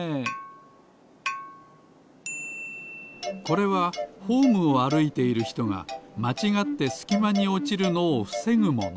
これはホームをあるいているひとがまちがってすきまにおちるのをふせぐもの。